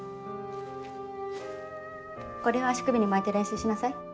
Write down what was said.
これを足首に巻いて練習しなさい。